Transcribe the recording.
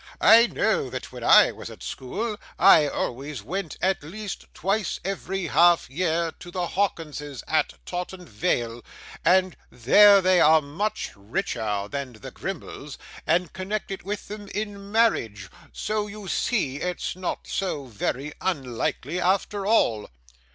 'I know that when I was at school, I always went at least twice every half year to the Hawkinses at Taunton Vale, and they are much richer than the Grimbles, and connected with them in marriage; so you see it's not so very unlikely, after all.